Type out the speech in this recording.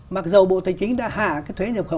mặc dù bộ tài chính đã hạ cái thuế nhập khẩu